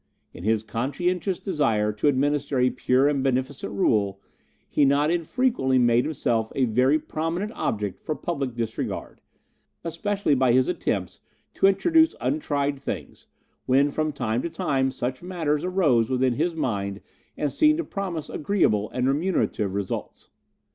In his conscientious desire to administer a pure and beneficent rule, he not infrequently made himself a very prominent object for public disregard, especially by his attempts to introduce untried things, when from time to time such matters arose within his mind and seemed to promise agreeable and remunerative results.